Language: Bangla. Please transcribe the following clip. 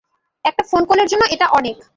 একটা ফোন কলের জন্য এটা অনেক।